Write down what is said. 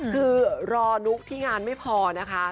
คือรอนุ๊กที่งานไม่พอนะคะ